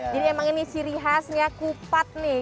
jadi emang ini ciri khasnya kupat nih